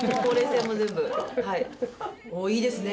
いいですね！